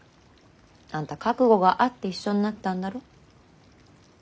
あんた覚悟があって一緒になったんだろ？